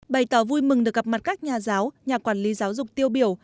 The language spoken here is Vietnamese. bày tỏ vui mừng được gặp mặt các nhà giáo nhà quản lý giáo dục tiêu biểu